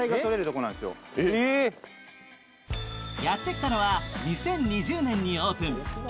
やってきたのは、２０２０年にオープン。